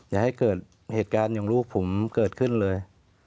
อย่าให้เกิดเหตุการณ์อย่างลูกผมเกิดขึ้นเลย